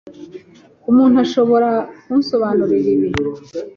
Umuntu ashobora kunsobanurira ibi?